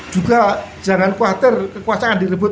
juga jangan kekuasaan direbut